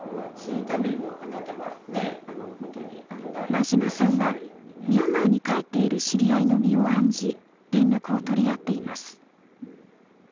馬島さんはミャンマーに帰っている知り合いの身を案じ連絡を取り合っています。